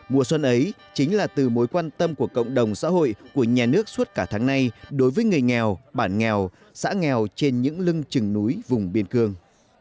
mùa xuân ấy chính là từ mối quan tâm của cộng đồng xã hội của nhà nước suốt cả tháng nay đối với người nghèo bản nghèo xã nghèo trên những lưng trừng núi vùng biên cương